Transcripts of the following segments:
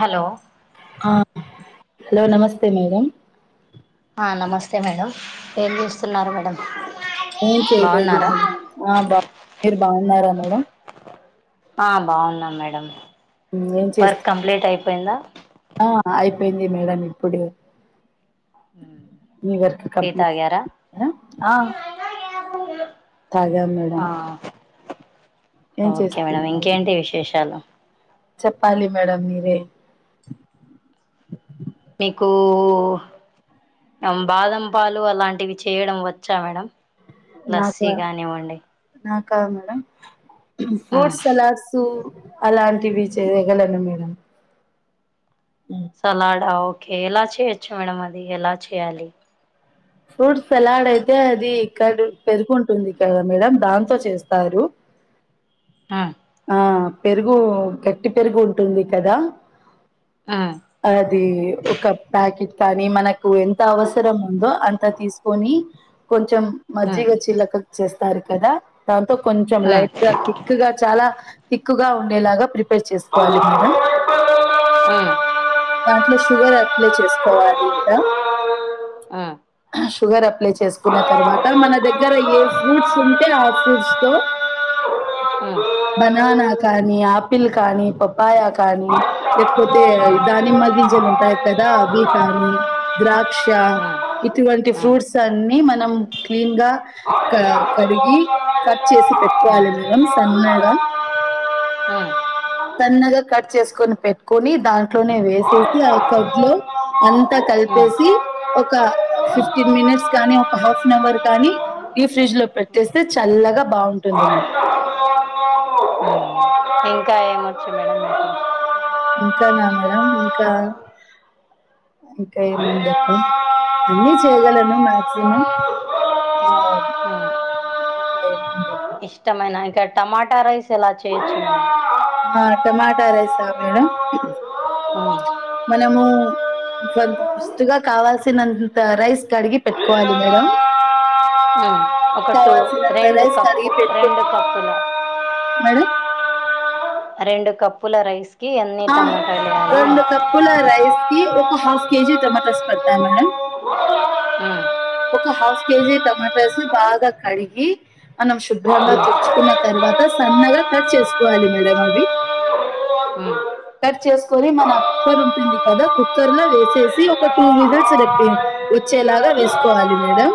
Hello ఆ hello నమస్తే madam ఆ నమస్తే మేడం ఏం చేస్తున్నారు మేడం ఏం చేయలేదు బాగున్నారా ఆ బా మీరు బాగున్నారా మేడం ఆ బావున్నాం మేడం ఏం చేస్త వర్క్ కంప్లీట్ అయిపోయిందా ఆ అయిపోయింది మేడం ఇప్పుడే మీ వర్క్ టీ కంప్లీట్ తాగారా అయ్యిందా ఆ [unintelligible] తజ ఆ మేడమ్ ఓకే మేడం ఇంకేంటి విశేషాలు చెప్పాలి మేడం మీరే మీకు బాదం పాలు అలాంటివి చేయడం వచ్చా మేడం లస్సీ కానివ్వండి కాద్ మేడం మ్ ఫ్రూట్ సలాడ్సు అలాంటివి చేయగలను మేడం సలాడా ఓకే ఎలా చేయొచ్చు మేడం అది ఎలా చేయాలి. ఫ్రూట్ సలాడ్ అయితే అది ఇక్కడ పెరుగుంటుంది. కదా మేడం దాంతో చేస్తారు [unintelligible] ఆ పెరుగు గట్టి పెరుగు ఉంటుంది కదా ఆ అది ఒక ప్యాకెట్ కానీ మనకు ఎంత అవసరం ఉందో అం అంత తీసుకొని కొంచెం మ్ మజ్జిగ చిలక చేస్తారు కదా దాంతో కొంచెం మ్ లైట్ గా తిక్ గా చాలా తిక్ గా ఉండేలాగా ప్రిపేర్ ప్రిపేర్ చేసుకోవాలి మేడం ఆ, ఆ, ఆ, దాంట్లో షుగర్ అప్లై చేసుకోవాలి ఇంత షుగర్ అప్లై చేసుకున్న తర్వాత మన దగ్గర ఏ ఫ్రూట్స్ ఉంటే ఆ ఫ్రూట్స్ తో బననా కానీ ఆపిల్ కానీ పప్ పాయా కానీ లేకపోతే దానిమ్మగింజలు వుంటాయి కదా అబీకాని ద్రాక్ష ఇటువంటి ఫ్రూట్స్ అన్ని మనం క్లీన్ గా కడిగి కట్ చేసి పెట్టుకోవాలి మేడమ్ సన్నగా ఆ, ఆ, సన్నగా కట్ చేసుకొని పెట్టుకొని దాంట్లోనే వేసేసి ఆ కర్డ్ లో అంతా కలిపేసి ఒక ఫిఫ్టీన్ మినిట్స్ కానీ ఒక హాఫ్ అన్ అవర్ కానీ ఈ ఫ్రిడ్జ్ లో పెట్టేస్తే చల్లగా బాగుంటుంది మే ఇంకా ఏమొచ్చు మేడం ఇంకానా మేడమ్ ఇంకా ఇంకా ఏంఉందప్ప అన్నీ చేయగలను మాక్సిమం అ ఉమ్. ఇంకా ఎం ఉ ఇష్టమైన ఇంక టమాటా రైస్ ఎలా చేయొచ్చు ఆ టమాటా రైసా మేడం ఉమ్. మనము ఫస్ట్ గా కావాల్సినంత రైస్ కడిగి పెట్టుకోవాలి మేడం హా... హ్మ్మ్ ఒక టూ కావాల్సినంత రెండు రైస్ కడిగి కప్పు పెట్టుకో రెండు కప్పుల మేడం రెండు కప్పుల రైస్ ఆ రెండు కప్పుల రైస్ కి ఒక హఫ్ కేజి టొమటాస్ పడతాయి మేడమ్ ఉమ్, ఒక హాఫ్ కేజీ టమాటాస్ బాగా కడిగి మనం శుభ్రంగా తుడుచుకున్న తరువాత తర్వాత సన్నగా కట్ చేసుకోవాలి మేడం అవి హ్మ్మ్ కట్ చేసుకొని మన కుక్కర్ ఉంటుంది కదా కుక్కర్ లో వేసేసి ఒక టూ విజిల్స్ రప్పి వచ్చేలాగా వేసుకోవాలి మేడం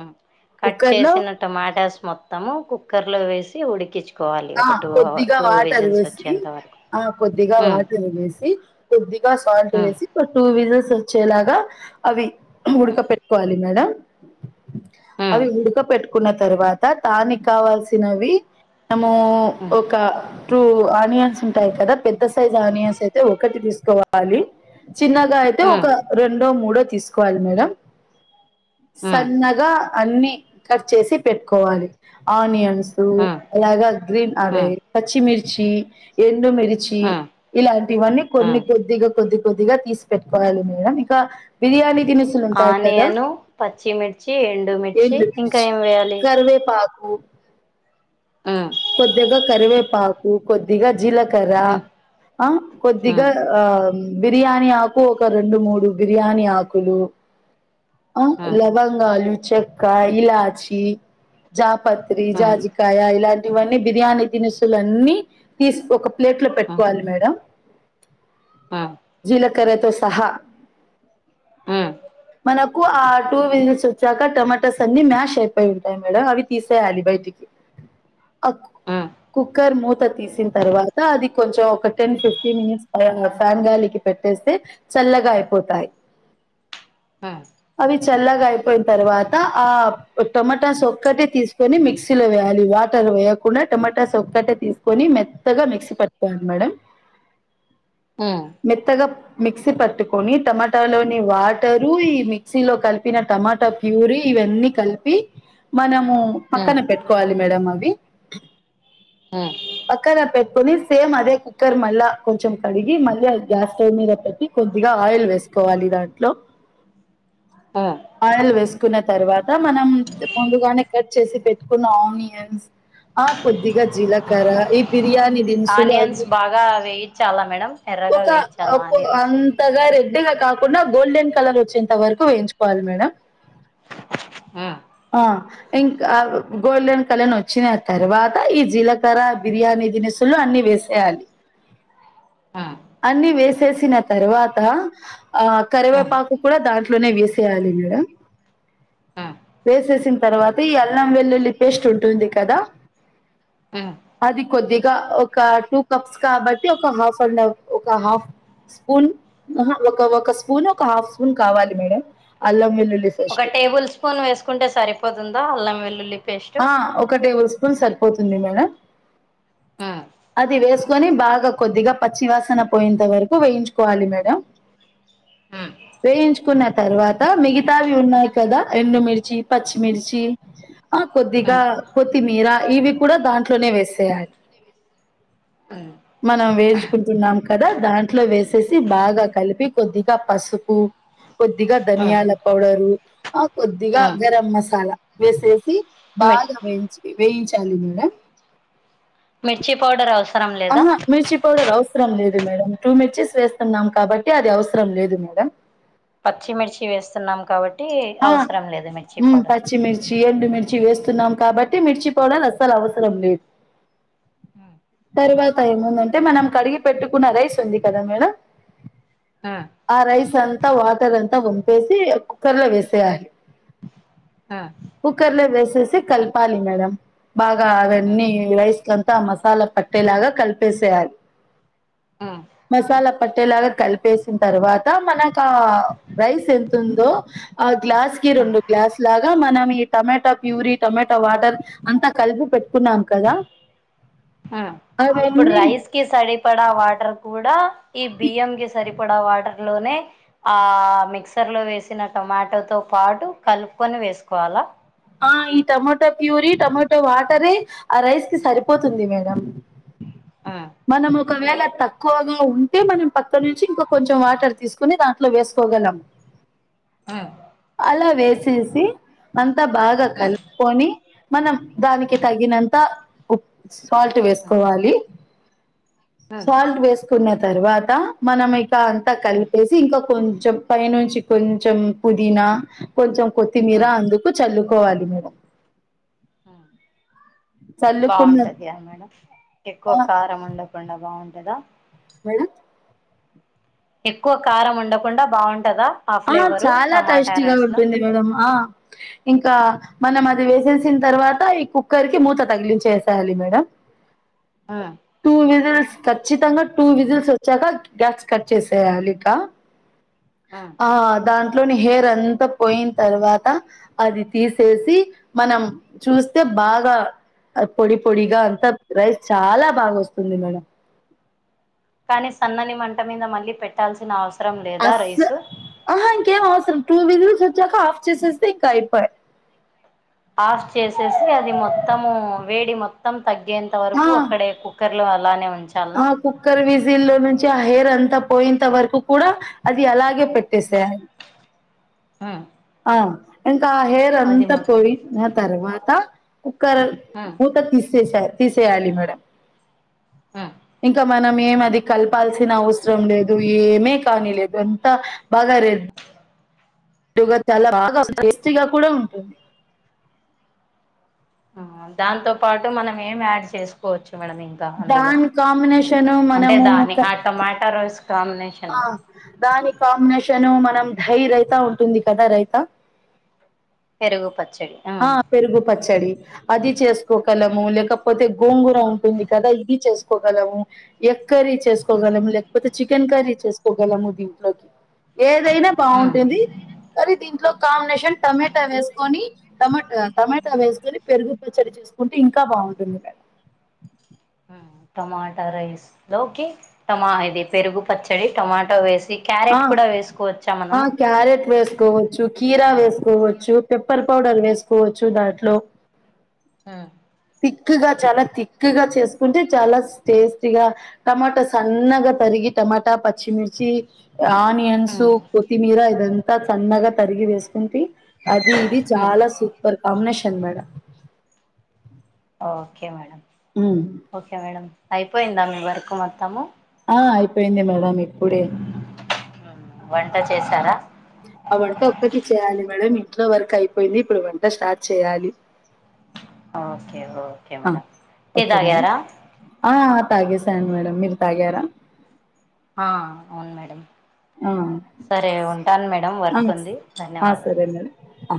ఉమ్. కట్ కుక్కర్ లో చేసిన టమాటాస్ మొత్తం కుక్కర్ లో వేసి ఉడికించు ఆ కొద్దిగా వాటర్ పోసి వచ్చేంత వరకు ఆ కొద్దిగా ఉమ్, వాటర్ పోసి కొద్దిగా సాల్ట్ ఉమ్, వేసి ఒక టూ వీజెస్ వచ్చేలాగా అవి ఉడక పెట్టుకోవాలి హలో [inaudible] ఉమ్, అవి ఉడక పెట్టుకున్న తర్వాత దానికి కావాల్సినవి మనము ఉమ్, ఒక టూ ఆనియన్స్ ఉంటాయి కదా పెద్ద సైజ్ ఆనియన్స్ అయితే ఒకటి తీసుక కోవాలి చిన్నగా అయితే ఉమ్, ఒక రెండో మూడో తీసుకోవాలి మేడం [inaudible] సన్నగా అన్ని కట్ చేసి పెట్టుకోవాలి ఆనియన్స్ ఉమ్, అలాగా గ్రీన్ ఉమ్, ఆగేయి పచ్చిమిర్చి ఎండు మిర్చి ఉమ్, ఇలాంటివన్నీ కొన్ని ఉమ్. కొద్దిగా కొద్ది కొద్దిగా తీసి పెట్టుకోవాలి మేడం ఇక బిర్యానీ దినుసులు ఉంటాయి కదా ఆనియను పచ్చిమిర్చి ఎండుమిర్చి ఎండు ఇంకా మిర్చి ఏం వేయాలి కరివేపాకు ఉమ్, కొద్దిగా కరివేపాకు కొద్దిగా జీలకర్ర ఉమ్, ఆ కొద్దిగా ఉమ్, ఆ బిర్యానీ ఆకు ఒక రెండు మూడు బిర్యానీ ఆకులు ఆ ఉమ్, లవంగాలు చెక్క ఇలాచి జాపత్రి ఉమ్, జాజికాయ ఇలా ఇవన్నీ బిర్యానీ దినుసులు అన్నీ తీసుకో ఒక ప్లేట్ లో ఉమ్, పెట్టుకోవాలి మేడం ఉమ్, జీలకర్రతో సహా ఆ మనకు ఆ టూ వీల్ర్స్ వచ్చాక టొమాటాస్ అన్ని మ్యాష్ అయిపోయి ఉంటాయి మేడం అవి తీసేయాలి బయట డీకే [inaudible] అక్ కుక్ ఉమ్. కుక్కర్ మూత తీసిన తర్వాత అది కొంచెం ఒక టెన్ ఫిఫ్టీన్ మినిట్స్ ఫ్యాన్ గాలికి పెట్టేస్తే చల్లగా అయిపోతాయి అ అవి చల్లగా అయిపోయిన తర్వాత ఆ టొమటాస్ ఒక్కటి తీసుకొని మిక్సీలో వేయాలి వాటర్ వేయకుండా టమాటాస్ ఒక్కటే తీసుకొని మెత్తగా మిక్సీ పట్టుకోవాలి మేడం మెత్తగా మిక్సీ పట్టుకొని టమాటా లోని వాటరు ఈ మిక్సీ లో కలిపిన టమాటా ప్యూరీ ఇవన్నీ కలిపి మనం అ పక్కన పెట్టుకోవాలి మేడం అవి పక్కన పేట్ కోని సేమ్ అదే కుక్కర్ మళ్ళ కొంచెం కడిగి మళ్ళీ గ్యాస్ స్టవ్ మీద పెట్టి కొద్దిగా ఆయిల్ వేస్ కోవాలి దాంట్లో ఆ అన్నీ వేసుకున్న తర్వాత మనం ముందుగానే కట్ చేసి పెట్టుకున్న ఆనియన్స్ ఆ కొద్దిగా జీలకర్ర ఈ బి బిరియాని దినుసులు అ ఆనియన్స్ బాగా వేయించాలా మేడం ఎర్రగా ఒక వేయించాలా ఆనియన్స్ అంతగా రే రేడ్గా కాకుండా గోల్డెన్ కలర్ వచ్చేంత వరకు వేయించుకోవాలి మేడం ఉ అ ఇంకా గోల్డెన్ కలర్ వచ్చిన తర్వాత ఈ జీలకర్ర బిర్యానీ దినిసులు అన్ని వేసేయాలి ఆ అన్ని వేసేసిన తర్వాత ఆ ఆ కరివేపాకు కూడా దాంట్లోనే వేసేయాలి మేడం ఆ వేసేసిన తర్వాత ఈ అల్లం వెల్లుల్లి పేస్ట్ ఉంటుంది కదా ఆ అది కొద్దిగా ఒక టూ కప్స్ కాబట్టి ఒక హాఫ్ అన్ అఫ్ ఒక హాఫ్ స్పూన్ ఒక ఒక స్పూన్ ఒక హాఫ్ స్పూన్ కావాలి మేడం అల్లం వెల్లుల్లి ఒక పేస్ట్ టేబుల్ స్పూన్ వేసుకుంటే సరిపోతుందా అల్లం వెల్లుల్లి పేస్ట్ ఆ ఒక టేబుల్ స్పూన్ సరిపోతుంది మేడం ఊ అది వేసుకొని బాగా కొద్దిగా పచ్చివాసన పోయేంత వరకు వేయించుకోవాలి మేడం ఉ వేయించుకున్న తర్వాత మిగతావి ఉన్నాయి కదా ఎండుమిర్చి పచ్చిమిర్చి ఆ కొద్దిగా కొత్తిమీర ఇవి కూడా దాంట్లోనే వేసేయాలి అవును మనం వేచుకుంటున్నాం కదా దాంట్లో వేసేసి బాగా కలిపి కొద్దిగా పసుపు కొద్దిగా ధనియాల పౌడరు ఆ కొద్దిగా గరం మసాలా వేసేసి మిర్ బాగా వేయించి వేయించాలి మేడం మిర్చి పౌడర్ అవుస్ ఆహా మిర్చి పౌడర్ అవు అసరం లేదు మేడం టూ మిర్చెస్ వేస్తున్నాం కాబట్టి అది అవసరం లేదు మేడం పచ్చిమిర్చి వేస్తున్నాం కాబట్టి ఆ అవసరం లేదు మిర్చి మేం పౌడర్ పచ్చిమిర్చి ఎండు మి మిర్చి వేస్తున్నాం కాబట్టి మిర్చి పౌడర్ అస్సలు అవసరం లేదు తర్వాత ఏముందంటే మనం కడిగి పెట్టుకున్న రైస్ ఉంది కదా మేడం ఆ రైస్ అంతా వాటర్ అంతా ఉంపేసి కుక్కర్ లో వేస్ వేయాలి ఆ కుకర్లో వేసేసి కల్పాలి మేడం బాగా ఆ అవన్నీ రైస్లంతా మసాలా పట్టేలాగా కలిపేసేయాలి ఆ మసాలా పట్టేలాగా కలిపేసిన తర్వాత మనక్ రైస్ ఎంత ఉందో ఆ గ్లాస్ కి రెండు గ్లాస్ లాగా మనం ఈ టమాటా ప్యూరీ టమటా వాటర్ అంతా కలిపి పెట్టుకున్నాము కదా హా ఇప్పుడు అవన్నీ రైస్ కి సరిపడా వాటర్ కూడా ఈ బియ్యం కి సరిపడా వాటర్ లోనే ఆ మిక్సర్ లో వేసిన టొమాటోతో పాటు కలుపుకొని వేసుకోవాలా ఆ ఈ టమాటో ప్యూరీ టమోటో వాటరే ఆ రైస్ కి సరిపోతుంది మేడం ఆ మనం ఒకవేళ తక్ క్కువగా ఉంటే మనం పక్క నుంచి ఇంకా కొంచెం వాటర్ తీసుకుని దాంట్లో వేసుకోగలం ఆ అలా వేసేసి అంతా బాగా ఆ ఆ కలుపుకొని మనం దానికి తగినంత ఉ సాల్ట్ వేసుకోవాలి ఆ ఆ సాల్ట్ వేసుకున్న తర్వాత మనం ఇక అంతా ఆ కలిపేసి ఇంకా కొ కొంచెం పై నుంచి కొంచెం పుదీనా కొంచెం కొత్తిమీర ఆ అందుకు చలుకోవాలి మేడం హ చల్లుకున్న బాగుంటదయ మేడం ఆ, ఎక్కువ కారం ఉండకుండా బాగుంటదా మేడం ఎక్కువ కారం ఉండకుండ బాగుంటద ఆ చాల [unintelligible] ఉంటుంది మేడమ్ ఆ ఇంకా మనం అది వేసేసిన తర్వాత ఈ కుక్కర్ కి మూత తగిలించేసేయాలి మేడం ఆ టూ విజిల్స్ ఖచ్చితంగా టూ విజిల్స్ వచ్చాక గ్యాస్ కట్ చేసేయాలి ఇక ఆ దాంట్లోని హెయిర్ అంతా పోయిన తర్వాత అది తీసేసి మనం చూస్తే బాగ పొడి పొడిగ అంత రైస్ చాల బాగ వస్తుంది మేడం కానీ సన్నని మంట మీద మళ్ళీ పెట్టాల్సిన అవ్ అస్ అహ ఇంకేం అసలు టూ వీలర్స్ వచ్చాక ఆఫ్ చేసేస్తే ఇంకా అయిపోయి ఆఫ్ చేసేసి అది మొత్తము వేడి మొత్తం తగ్గేంత ఆ! వరకు అక్కడే కుక్కర్ అలానే ఉం ఆ కుక్కర్ విజిలో నుంచి హెయిర్ అంత పోయింత వరకు కూడ అది అలాగే పెట్టేసేయలి ఆ ఇంక ఆ హెయిర్ అంతా మొ పోయిన తర్వాత కుక్కర్ ఉమ్ మూత తీసేస తీసేయాలి మేడం ఉమ్ ఇంకా మ మనం ఏం అది కలపాల్సిన అవసరం లేదు ఏమే కానీ లేదు ఎంత బగరే చాల బాగ టేస్టీగా కూడ ఉంటుంది దాంతో పాటు మనం ఏం యాడ్ చేసుకో మేడమ్ ఇంకఅందులో దాని కాంబినేషన్ అంటే మనము దాన్ని ఆ టమాట [unintelligible] ఆ దాని కాంబినేషను మనం ధై రైత ఉంటుంది కదా రైత పెరుగు ప ఆ పెరుగు పచ్చడి అది చేసుకోగలము లేకపోతే గోంగూర ఉంటుంది కదా ఇది చేసుకోగలము ఎ కర్రీ చేసుకోగలము లేకపోతే చికెన్ కర్రీ చేసుకోగలము దీంట్లోకి ఏదైన ఉమ్ బాగుంటుంది కానీ దీంట్లో కాంబినేషన్ టమేట వేసుకొని టమేట టమాటా వేసుకొని పెరుగు పచ్చడి చేసుకుంటే ఇంకా బాగుంటుంది మేడం ఉమ్ టమాటా రైస్ లోకి టమా ఇది పెరుగు పచ్చడి టమాట వేస్ ఆ క్యారెట్ కూడ వేసుకోవచ్చా ఆ మనము క్యారెట్ వేసుకోవచ్చు కీరా వేసుకోవచ్చు పెప్పర్ పౌడర్ వేసుకోవచ్చు దాంట్లో ఆ తిక్గా చాల తిక్గ చేసుకుంటే చాలా టేస్టీగా టమాటా సన్నగా తరిగి ఈ టమాట పచ్చిమిర్చి ఆనియన్స్ ఉమ్ కొత్తిమీర ఇదంత సన్నగా తరిగి వేసుకుంటే అది ఇది ఉమ్ చాల super combination madam okay madam ఉమ్. ఓకే మేడం అయిపోయింద మీ వర్క్ మొత్తము ఆ అయిపోయింది మేడం ఇప్పుడే వంట చేశారా [unintelligible] ఒక్కటి చేయాలి మేడం ఇట్లో వర్క్ అయిపోయింది ఇప్పుడు వంట స్టార్ట్ చేయాలి ఓకే ఓకే ఆ, మేడం టీ తాగార తాగేశాన్ మేడం మీరు తాగ్యార ఆ ఆ అవున్ మేడం ఆ, సరే ఉంటాన్ మేడం ఆ, వర్కుంది ఆ, ధన్యవాదాలు సరే మేడం ఆ